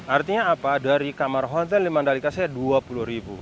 artinya apa dari kamar hotel di mandalika saya dua puluh ribu